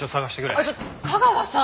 あっちょっ架川さん！